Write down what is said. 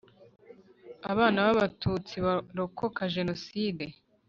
abana b Abatutsi barokoka jenoside